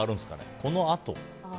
このあと。